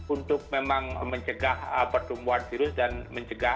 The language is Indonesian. untuk memang mencegah pertumbuhan virus dan mencegah